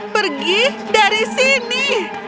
pergi dari sini